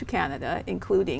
của thái lan